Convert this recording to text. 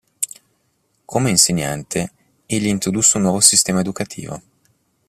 Come insegnante, egli introdusse un nuovo sistema educativo.